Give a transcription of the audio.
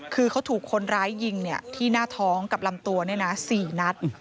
คือเขาถูกคนร้ายยิงที่หน้าท้องกับลำตัว๔นัด